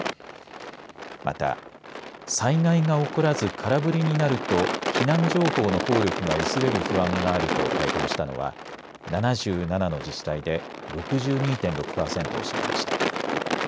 また災害が起こらず空振りになると避難情報の効力が薄れる不安があると回答したのは７７の自治体で６２．６パーセントを占めました。